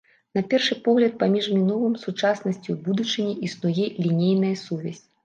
На першы погляд, паміж мінулым, сучаснасцю і будучыняй існуе лінейная сувязь.